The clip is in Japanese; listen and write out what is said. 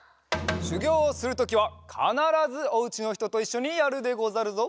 しゅぎょうをするときはかならずおうちのひとといっしょにやるでござるぞ！